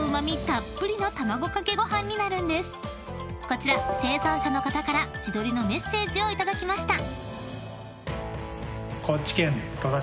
［こちら生産者の方から自撮りのメッセージを頂きました］